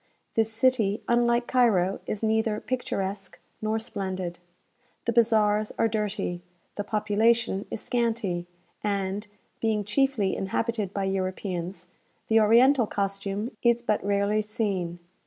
This city, unlike Cairo, is neither picturesque nor splendid. The bazaars are dirty, the population is scanty, and (being chiefly inhabited by Europeans) the oriental costume is but rarely seen.